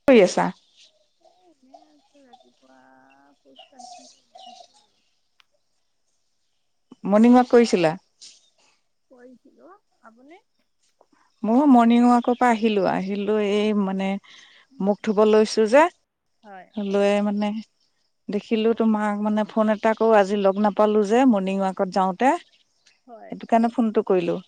কি কৰি আছা এ এনেই আছো ৰাতিপুৱা খোজ কাঢ়ি কাঢ়ি মৰ্ণিং ৱাক কৰিছিলা কৰিছিলো আপুনি মোৰ মৰ্ণিং ৱাকৰ পৰা আহিলোঁ আহিলোঁ এই মানে মোক থুব লৈছোঁ যে হয় লৈয়ে মানে দেখিলো তোমাক মানে ফোন এটা কৰো আজি লগ নাপালো যে মৰ্ণিং ৱাকত যাওঁতে হয় সেইকাৰনে ফোনটো কৰিলোঁ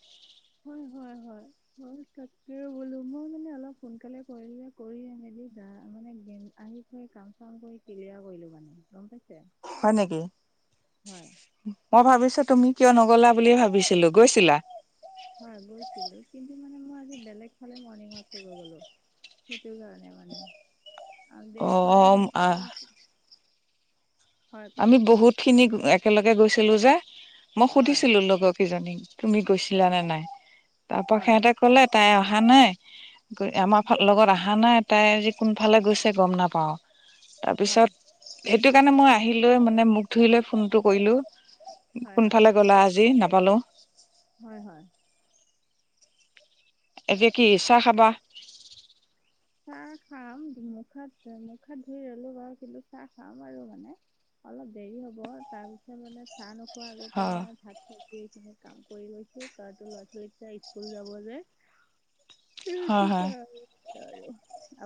হয় হয় হয় অ তাকে বোলো মোৰ মানে অলপ সোনকালে কৰিলো যে কৰি মেলি গা মানে গেম আহি থৈ কাম চাম কৰি ক্লিয়াৰ কৰিলোঁ মানে গম পাইছে হয় নেকি হয় মই ভাবিছো তুমি কিয় নগ'লা বুলি ভাবিছিলো গৈছিলা হয় গৈছিলো কিন্তু মানে মই আজি বেলেগ ফালে মৰ্ণিং ৱাক কৰিবলৈ গ'লো সেইটো কাৰণে মানে অ [unintelligible] সদায় হয় কওক আমি বহুত খিনি একেলগে গৈছিলো যে মই হয় সুধিছিলো লগৰ কেইজনীক তুমি গৈছিলা নে নাই তাৰ পৰা হয় সিহঁতে কলে তাই অহা নাই গৈ আমাৰ ফালে লগত অহা নাই তাই আজি কোনফালে গৈছে গম নাপাওঁ হয় তাৰপিছত সেইটো কাৰণে মই আহিলৈ মানে মোক ধূই লৈ ফোনটো কৰিলো হয় হয় কোনফালে গ'লা আজি নাপালো হয় হয় এতিয়া কি চাহ খাবা চাহ খাম মুখ হাত মুখ হাত ধুই ললো বাৰু, কিন্তু চাহ খাম আৰু মানে। অলপ দেৰি হ'ব তাৰপিছত মানে, চাহ নোখোৱা আগতে হয় মানে ভাত চবজি এইখিনি কাম কৰি লৈছো কাৰণ ল'ৰা ছোৱালী স্কুল যাব যে। হয় সেইটো হয় কাৰনে আৰু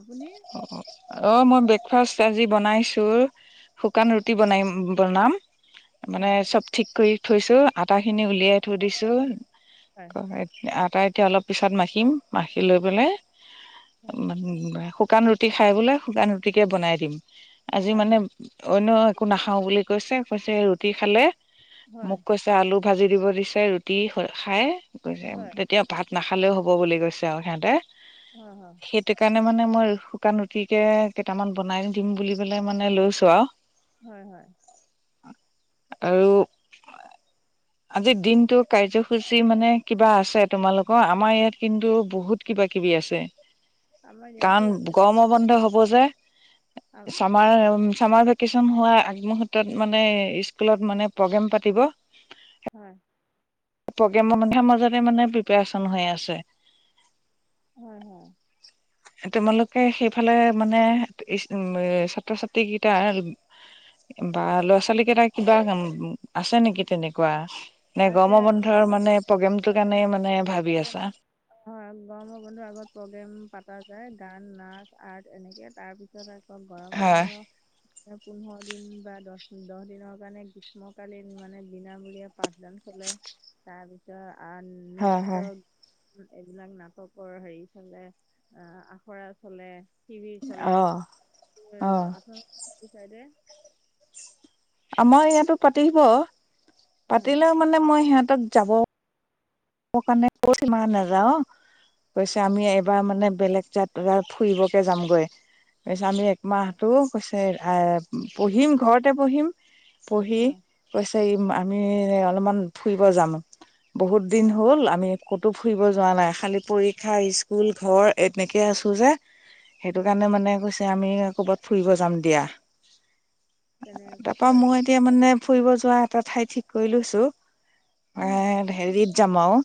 আপুনি? অহ', মই ব্ৰেকফাষ্ট আজি বনাইছো শুকান ৰুটি বনাই- বনাম। মানে হয় চব ঠিক কৰি থৈছো, আটা খিনি উলিয়াই থৈ দিছো। হয়',। হয়', আটা এতিয়া অলপ পিছত মাখিম, মাখি লৈ পেলাই হয় শুকান ৰুটি খাই বোলে, শুকান ৰুটিকে বনাই দিম আজি হয় মানে হয় অন্য একো নাখাওঁ বুলি কৈছে, কৈছে ৰুটি খালে মোক কৈছে আলু ভাজি দিব দিছে ৰুটি খাই গৈছে হয় হয় তেতিয়া ভাত নাখালেওঁ হ'ব বুলি কৈছে আৰু সিহঁতে। অ',। সেইটো কাৰণে, মানে মই শুকান ৰুটিকে কেইটামান বনাই দিম বুলি পেলাই মানে লৈছো আৰু হয়', হয়',। আৰু আজি দিনটো কাৰ্যসূচী মানে, কিবা আছে তোমালোকৰ, আমাৰ ইয়াত কিন্তু বহুত কিবা কিবি আছে। আমাৰ ইয়াতো আছে। গৰম বন্ধ হ'ব যে, আ- আ- চামাৰ হয় ছামাৰ ভেকেশ্যন হোৱা আগ মূহুৰ্তত মানে স্কুলত মানে প্ৰগ্ৰেম পাতিব। হয়',। প্ৰগ্ৰেমাৰ মাজতে মানে প্ৰিপচন হৈ আছে। হয়', হয়',। তোমলোকে সেইফালে মানে, উম' ছাত্ৰ-ছাত্ৰী কেইটা বা ল'ৰা-ছোৱালী কেইটা কিবা আছে নেকি তেনেকুৱা নে আছে গৰম বন্ধৰ মানে প্ৰগ্ৰেমটো কাৰণে আছে মানে ভাবি আছা? হয়', গৰমৰ বন্ধু আগত প্ৰগ্ৰেম পতা যায় গান, নাচ, আৰ্ট এনেকে তাৰ পিছত গৰম হয় বন্ধ পোন্ধৰ দিন বা দহ- দহ দিনৰ কাৰণে গ্ৰীষ্মকালীন মানে বিনামূলীয়া পাঠদান চলে, তাৰপিছত আহ' হয় হয় নৃত্য এইবিলাক নাটকৰ হেৰি চলে আহ' আখৰা চলে। টিভি চলে, অ', আৰু অ', আপোনালোকৰ সিটো চাইদে? আমাৰ ইয়াতো পাতিব, অ পাতিলেওঁ মানে মই সিহঁতক যাব কাৰণে কত ইমান নাযাওঁ অ', কৈছে আমি এবাৰ মানে হয় বেলেগ জাত ফুৰিবকৈ যামগৈ, তাৰপিছত আমি হয় একমাহটো কৈছে পঢ়িম ঘৰতে পঢ়িম, পঢ়ি হয় কৈছে ই' হয় আমি আমি অলপমান ফুৰিব যাম, বহুত দিন হয় হ'ল আমি ক'তো ফুৰিব যোৱা নাই, খালী পৰীক্ষা স্কুল ঘৰ এনেকে আছো যে সেইটো হয় কাৰণে মানে কৈছে আমি কবাত ফুৰিব যাম দিয়া। তেনেকৈ কৈছে তাৰাপা আৰু মই এতিয়া মানে ফুৰিব যোৱা এটা কৰি লৈছো। হয় এ' হেৰিত যাম আওঁ,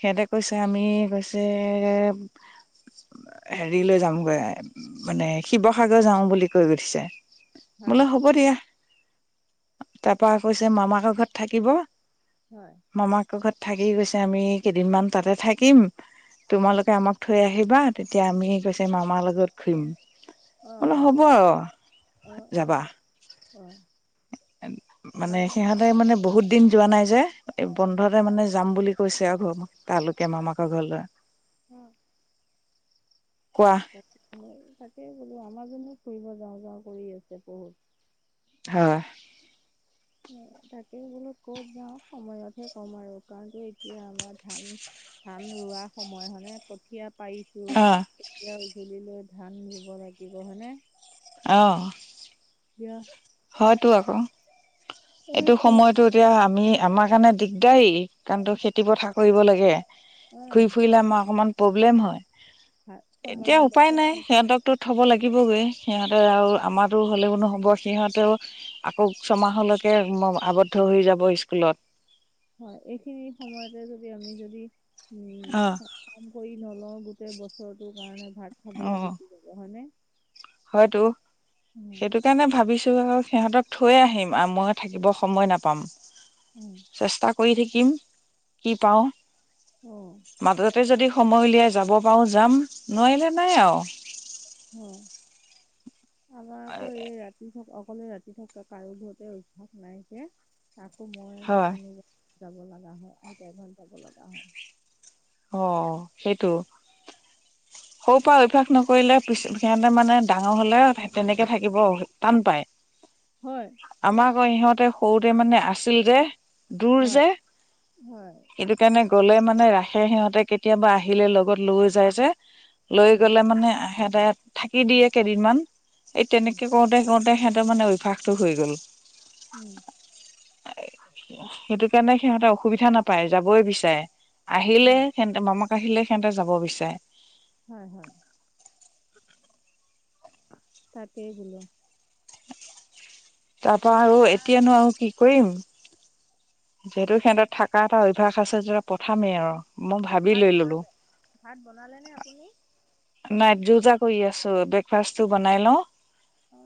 সিহঁতে কৈছে আমি কৈছে হেৰিলৈ যামগৈ মানে, শিৱসাগৰ যাওঁ বুলি কৈ উঠিছে। হয় বোলে হ'ব দিয়া, তাৰপা কৈছে মামাকৰ ঘৰত থাকিব। হয়। মামাৰাকৰ ঘৰত থাকি গৈছে আমি কেইদিনমান তাতে থাকিম তোমালোকে আমাক থৈ আহিবা, তেতিয়া আমি কৈছে মামাৰ লগত ঘুৰিম। অ', অ', অ', অ', যাবা অ', অ' মানে সিহঁতে মানে, বহুত দিন যোৱা নাই যে বন্ধতে মানে যাম বুলি কৈছে আৰু ঘৰ তালোকে মামাকৰ ঘৰলৈ [unintelligible] কোৱা। মই তাকেই ব'লো আমাৰাজনো ফুৰিব যাওঁ যাওঁ কৰি আছে বহুত হয় [unintelligible] তাকে বোলো ক'ত যাওঁ সময়তহে ক'ম আৰু কাৰণো এতিয়া আমাৰ ধান ধান ৰোৱা সময় হনে কঠিয়াত পাৰিছো অ তেতিয়া উজলি লৈ ধান ব লাগিব হয়নে অ'। এতিয়া হয়তটো আকৌ এই এইটো সম- সময়তো এতিয়া আমি আমাৰ কাৰণে দিগদাৰী। কাৰণ তো খেতি পথাৰ কৰিব লাগে আহ, ঘূৰি ফুৰিলে আমাৰ অকমান প্ৰব্লেম হয়। হা- এতিয়া সময়ৰ উপায় বাবে নাই সিহঁতক তো থ'ব লাগিবগৈ সিহঁতে আৰু আমাৰতো হ'লেও নহ'ব সিহঁত তেওঁ আকৌ ছমাহলৈকে আৱদ্ধ হৈ যাব স্কুলত। হয়, এইখিনি সময়তে যদি আমি যদি উম অ কাম কৰি নলওঁ গোটেই বছৰটো কাৰণে ভাত অ খাবলৈ গুচি যাব হয় নে। হয়তো সেইটো সেইকাৰণে ভাবিছোঁ সিহঁতক থৈয়ে আহিম আৰু মই থাকিব নাপাম। উম। চেষ্টা কৰি থাকিম কি পাওঁ। অ'। মাজতে যদি সময় উলিয়াই যাব পাৰোঁ যাম নোৱাৰিলে নাই আৰু। উম। আমাৰ আকৌ এই ৰাতি থকা অকলে ৰাতি থকাকা কাৰো ঘৰতে অভ্যাস নাই যে আকৌ মই বা হয় কোনোবা যাব লগা হয় আইতা এঘৰত যাব লগা হয়। অ', সেইটো। সৰু পৰা অভ্যাস নকৰিলে পিছ সিহঁতে মানে ডাঙৰ হ'লে তেনেকে থাকিব টান পায়। [inaudible] হয়। আমাৰ বাৰু ইহঁতে সৰুতে মানে আছিল যে দূৰ হয় যে হয় এইটো কাৰণে গ'লে মানে ৰাসে সিহঁতে কেতিয়াবা আহিলে লগত লৈ যায় যে লৈ উম গলে মানে সিহঁতে থাকি দিয়ে কেইদিনমান এই উম তেনেকে কৰোতে, কৰোতে সিহঁতৰ মানে অভ্যাসটো হৈ গ'ল। উম। সেইটো কাৰণে সিহঁতে অসুবিধা নাপায় যাবই বিচাৰে। আহিলে হয় সিহতে মামাক আহিলে সিহঁতে যাব বিচাৰে। হয়, হয়। তাকেই বুলো। তাৰ পৰা আৰু ভাত এতিয় নো আৰু কি কৰিম। যিহেতু সিহঁত থকা এটা অভ্যাস আছে যত পঠামেই আৰু মই ভাবি ভাত লৈ ললো বনালে ভাত বনালে নে আপুনি? নাই যো যা কৰি আছো ব্ৰেকফাষ্টটো বনাই লও। অঁ।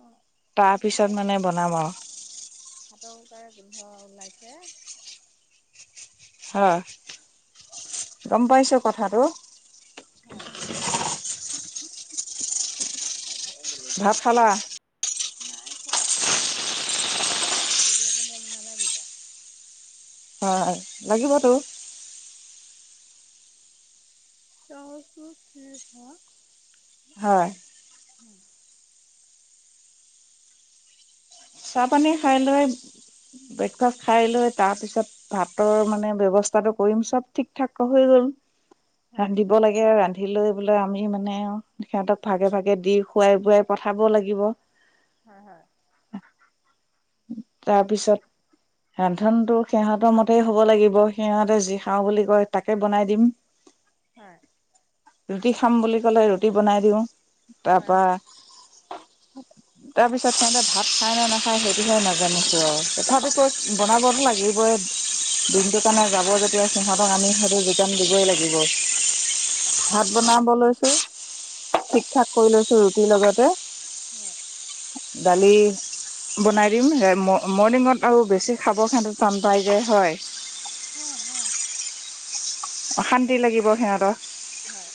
অ তাৰপিছত মানে বনাম আও হাতৰ তাৰে গোন্ধ ওলাইছে। হ গম পাইছো কথাটো হয় তাকে বোলো কি ভাত কৰো খালা নাই খোৱা খামহে, পোৱালীকেইটাক উলিয়াব নালাগিব হয় লাগিবতো জ্বৰটো চিনি পোৱা হয় হম চাহ পানী খাই লৈ ব্ৰেকফাষ্ট খাই লৈ তাৰপিছত ভাতৰ মানে ব্যৱস্থাতো কৰিম চব ঠিক ঠাক হৈ গল হয় ৰান্ধিব লাগে ৰান্ধি লৈ বিলৈ আমি মানে সিহঁতক ভাগে ভাগে দি খুৱাই বোৱাই পঠাব লাগিব। হয় হয় তাৰপিছত প্ৰথমতো সিহঁতৰ মতেই হ'ব লাগিব, সিহঁতে যি খাওঁ বুলি কয় তাকে বনাই দিম। [unintelligible] হয় ৰুটি খাম বুলি ক'লে ৰুটি বনাই দিও হয় হয় তাৰপৰা তাৰপিছত সিহঁতে ভাত খাই নে নাখায় সেইটোয়ে নাজানিছো আৰু অ তাহতি অ কৈ বনাবতো লাগিবই। দিনটো কাৰণে যাব যেতিয়া সিহঁতক আমি সেইতো যোগান দিবই লাগিব। ভাত বনাব লৈছো। ঠিক ঠাক কৰি লৈছো ৰুটিৰ লগতে হয় দালি বনাই দিম এ ম ম মৰ্ণিঙত আৰু বেছি খাব খাব কাৰণে টান পায় যে হয়। অ হ অশান্তি লাগিব সিহঁতক। হয়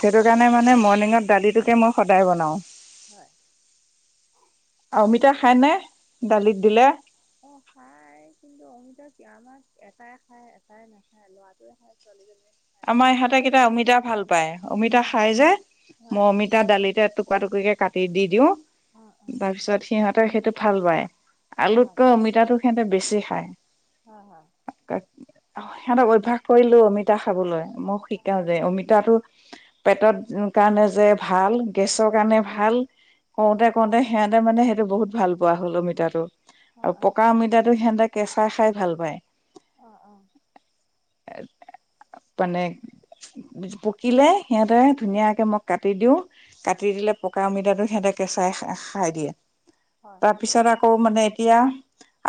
সেইটোকাৰণে মানে মৰ্ণিঙত দালিটোকে মই সদায় বনাও। হয় অহ অমিতা খায়নে দলিত দিলে? অ খায় কিন্তু অমিতা কি আমাক এটাই খায় এটাই নাখায় ল'ৰাটোৱে খায় ছোৱালীজনীয়ে আমাৰ ইহঁতেকেইটা অমিতা ভাল পায় অমিতা খাই যে হয় মই অমিতা এয়া দালিতে টুকুৰা টুকুৰিকে কাটি দি দিও অ অ তাৰপিছত সিহঁতে সেইটো ভাল পায়। হয় আলুতকৈ অমিতাটো সিহঁতে বেছি খায়। হ হ সিহঁতক অভ্যাস কৰিলো অমিতা খাবলৈ। মই শিকাও যে অমিতাটো পেটত কাৰণে যে ভাল গেছৰ কাৰণে ভাল অ কওঁতে কওঁতে সিহঁতে মানে সেইটো বহুত ভাল পোৱা হল অমিতাটো অ আৰু অ পকা অমিতাটো সিহঁতে কেঁচা খাই ভাল পায় অ অ [unintelligible] মানে পকিলে সিহঁতে ধুনীয়াকৈ মই কাটি দিওঁ কাটি দিলে পকা অমিতাটো সিহঁতে কেঁচাই খাই দিয়ে। হয়। তাৰপিছত আকৌ মানে এতিয়া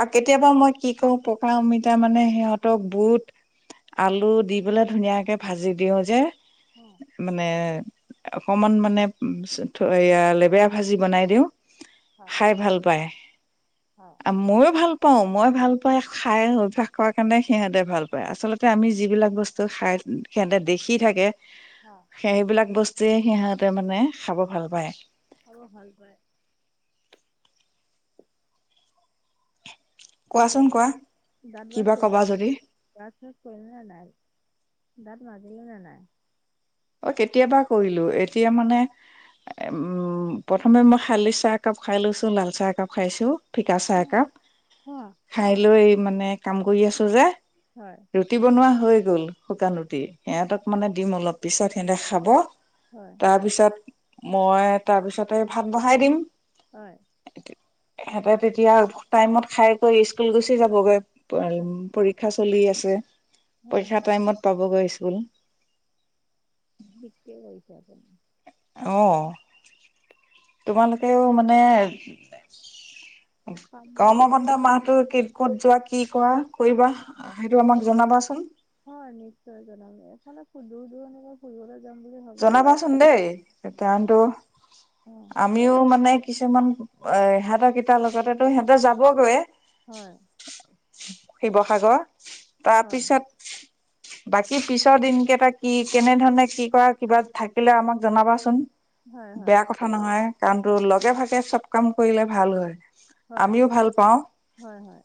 আৰু কেতিয়াবা মই কি কৰো, পকা অমিতা মানে সিহঁতক বুট অ আলু দি পেলাই ধুনীয়াকে ভাজি দিও যে, অ মানে অকমান মানে লেবেৰা ভাজি বনাই দিও হয় খাই ভাল পায়, হয় আ ময়ো ভাল প পাও, মই ভাল পাই খাই অভ্যাস কৰাৰ কাৰণে সিহঁতে ভাল পায়, আচলতে আমি যিবিলাক বস্তু খাই, সিহঁতে দেখি থাকে হ। সেইবিলাক বস্তুৱে সিহঁতে মানে খাব ভাল পায়। খাব ভাল পায়। কোৱাচোন এতিয়া কোৱা দাত ব্ৰাছ কিবা কবা যদি [unintelligible] দাঁত ব্ৰাছ কৰিলে নে নাই? দাঁত মাজিলে নে নাই? অ, কেতিয়াবা কৰিলোঁ। এতিয়া মানে উম, প্ৰথমে মই শালি চাহ একাপ খাই লৈছো, লাল চাহ একাপ খাইছো। ফিকা চাহ অ' একাপ, অ' খাই লৈ মানে কাম কৰি আছো যে হয়। ৰুটি বনোৱা হৈ গ'ল, শুকান ৰুটি, সিহঁতক মানে দিম অলপ পিছত, সিহঁতে খাব। হয়। তাৰপিছত, মই তাৰপিছতে ভাত বহাই দিম। হয়। এহেতে তেতিয়া টাইমত খাই কৰি স্কুল গুচি যাবগৈ। হয় পৰীক্ষা চলি আছে, হয় পৰীক্ষা হয় টাইমত পাবগৈ স্কুল। ঠিকেই [unintelligible] আপুনি। অঁ, তোমালোকেও মানে কামবোৰ গৰমবন্ধ মাহটো কি ক'ত যোৱা, কি কৰা কৰিবা, সেইটো আমাক জনাবাচোন! হয়, নিশ্চয় জনাম দিয়া, এফালে [unintelligible] দূৰনিলৈ ফুৰিবলৈ যাম বুলি জনাবাচোন ভাবিছি দেই [unintelligible] অ, কাৰণতো অ। আমিও মানে কিছুমান, ইহঁতৰ কেইটাৰ লগতে সিহঁতো যাব গৈয়েই হয়। শিৱসাগৰ। তাৰ হয় পিছত বাকী, পিছৰ দিনকেইটা কি, কেনে ধৰণে কি কৰা কিবা থাকিলে আমাক জনাবাচোন! হয় হয় বেয়া কথা নহয়, কাৰণ হয় তো লগে-ভাগে চব কাম কৰিলে ভাল হয়। হয়, আমিও ভাল পাওঁ। হয়, হয়।